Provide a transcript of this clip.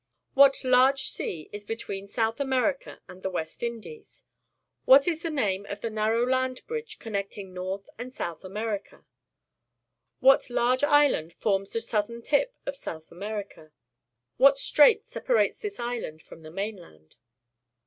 What large sea is between South America and the West Indies? What is the name of the narrow land bridge connecting North and South America? What large island forms the southern tip of South America? What strait separates this island from the mainland?